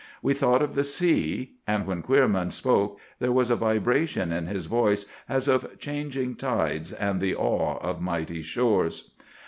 We thought of the sea; and when Queerman spoke, there was a vibration in his voice as of changing tides and the awe of mighty shores.